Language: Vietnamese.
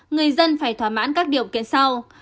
người dân phải thỏa mãn các điều kiện sau